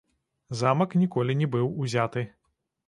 Замак ніколі не быў узяты.